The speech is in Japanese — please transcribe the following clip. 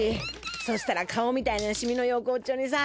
そしたら顔みたいなシミの横っちょにさ。